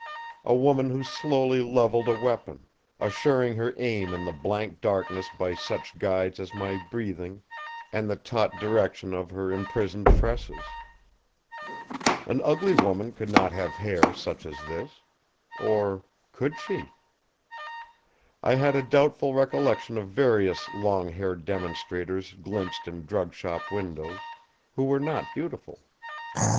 A woman who slowly levelled a weapon, assuring her aim in the blank darkness by such guides as my breathing and the taut direction of her imprisoned tresses. An ugly woman could not have such hair as this. Or, could she? I had a doubtful recollection of various long haired demonstrators glimpsed in drugshop windows, who were not beautiful.